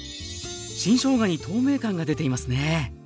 新しょうがに透明感が出ていますね。